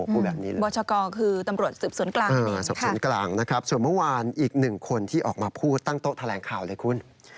พูดแบบนี้เลยค่ะส่วนมาวานอีกหนึ่งคนที่ออกมาพูดตั้งโตะแทรงข่าวเลยคุณ